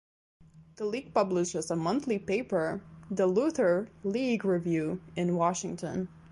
The league publishes a monthly paper, "The Luther League Review", in Washington.